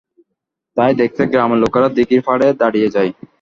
তাই দেখতে গ্রামের লোকেরা দিঘির পাড়ে দাঁড়িয়ে যায়।